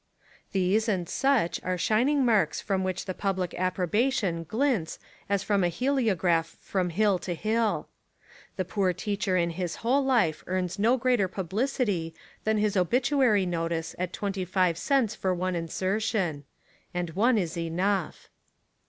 These and such are shining marks from which the public approbation ghnts as from a heliograph from hill to hill. The poor teacher in his whole life earns no greater pub licity than his obituary notice at twenty five cents for one insertion. And one is enough.